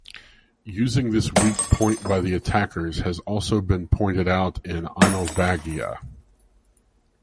Using this weak point by the attackers has also been pointed out in Einolvaghaye.